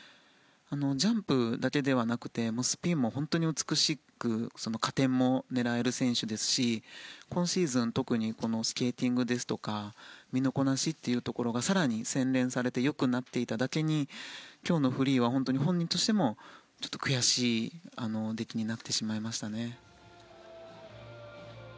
ジャンプだけではなくてスピンも本当に美しく加点も狙える選手ですし今シーズン特にスケーティングですとか身のこなしというところが更に洗練されて良くなっていただけに今日のフリーは本当に本人としても悔しい出来になってしまいましたね。